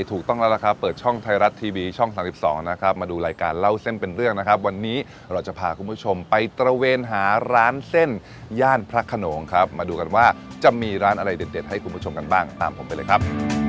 ตระเวนหาร้านเส้นย่านพระขนงครับมาดูกันว่าจะมีร้านอะไรเด็ดให้คุณผู้ชมกันบ้างตามผมไปเลยครับ